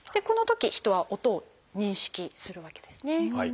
このとき人は音を認識するわけですね。